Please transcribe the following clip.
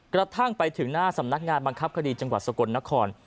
กระทั่งไปถึงหน้าสำนักงานบังคับคดีจังหวัดสกลนคร